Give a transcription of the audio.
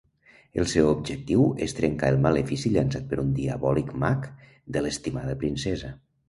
El seu objectiu és trencar el malefici llançat per un diabòlic mag de l'estimada princesa.